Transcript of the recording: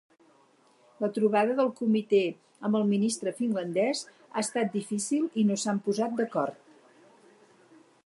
La trobada del Comité amb el ministre finlandés ha estat difícil i no s'han posat d'acord.